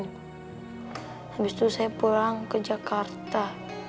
habis itu saya pulang ke jakarta